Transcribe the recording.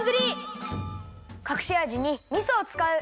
かくしあじにみそをつかう。